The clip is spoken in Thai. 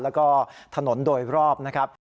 แล้วก็ถนนโดยรอบนะครับ